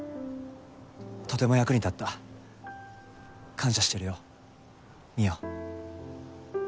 とても役に立った。感謝してるよ望緒。